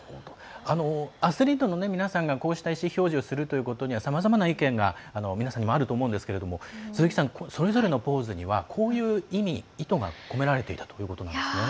アスリートの皆さんがこうした意思表示をするということにはさまざまな意見が皆さんにもあると思うんですけれども鈴木さん、それぞれのポーズにはこういう意味、意図が込められていたということなんですね。